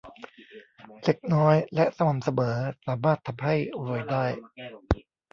เล็กน้อยและสม่ำเสมอสามารถทำให้รวยได้